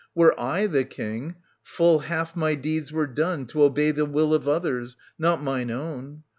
Were I the King, full half my deeds were done To obey the will of others, not mine own.